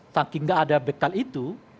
saking gak ada bekal itu